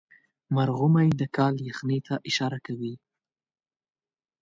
مرغومی د کال یخنۍ ته اشاره کوي.